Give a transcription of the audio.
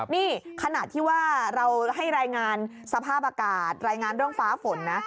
นี่ขณะที่ว่าเราให้รายงานสภาพอากาศรายงานเรื่องฟ้าฝนนะ